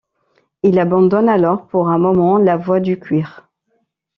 Il abandonne alors pour un moment la voie du cuir.